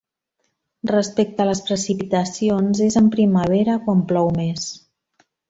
Respecte a les precipitacions, és en Primavera quan plou més.